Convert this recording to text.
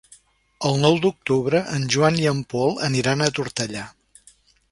El nou d'octubre en Joan i en Pol aniran a Tortellà.